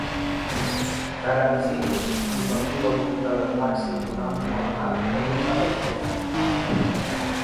Karan Singh y su antiguo diputado Bakshi Ghulam Mohammad fue nombrado en su lugar.